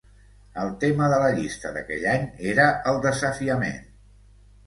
El tema de la llista d'aquell any era el desafiament.